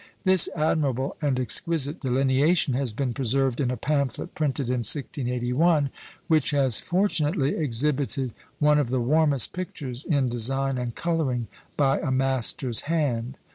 This admirable and exquisite delineation has been preserved in a pamphlet printed in 1681, which has fortunately exhibited one of the warmest pictures in design and colouring by a master's hand.